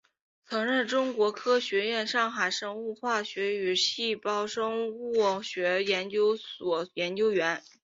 曾任中国科学院上海生物化学与细胞生物学研究所研究员。